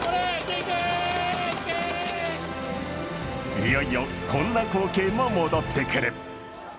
いよいよこんな光景も戻ってくる。